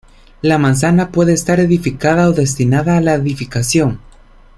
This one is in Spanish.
La manzana puede estar edificada o destinada a la edificación.